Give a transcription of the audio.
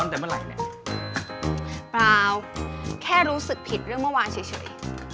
แต่เมื่อไหร่เนี่ยเปล่าแค่รู้สึกผิดเรื่องเมื่อวานเฉย